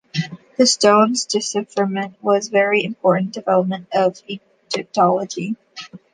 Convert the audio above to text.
The Stone's decipherment was a very important development of Egyptology.